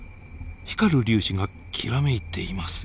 光る粒子がきらめいています。